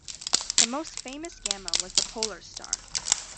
The most famous Gamma was the "Polar Star".